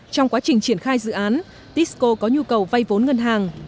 trong quá trình triển khai dự án tisco có nhu cầu vay vốn ngân hàng